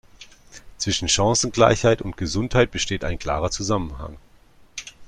Zwischen Chancengleichheit und Gesundheit besteht ein klarer Zusammenhang.